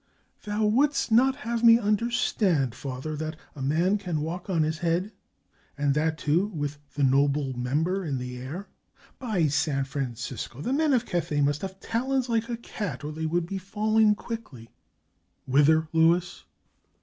"Thou wouldst not have me understand, father, that a man can walk on his head — and that, too, with the noble member in the air? By San Francisco ! thy men of Cathay must have talons like a cat, or they would be falling quickly!" "Whither, Luis?"